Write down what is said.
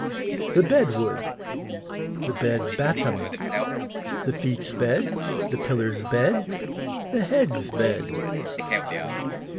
The bed wood The bed battom The feet's bed The pillar's bed The head's bed.